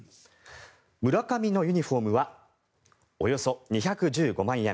村上のユニホームはおよそ２１５万円。